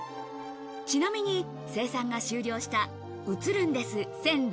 ちなみに生産が終了した「写ルンです１６００